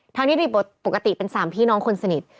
ทั้งที่ปกติเป็นสามพี่น้องคนสนิท